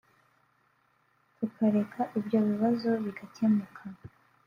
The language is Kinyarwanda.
turareka ibyo bibazo bigakemuka